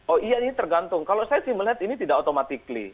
oh iya ini tergantung kalau saya sih melihat ini tidak otomatis